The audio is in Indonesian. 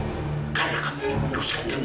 makanya kamu menjelakakan angkut itu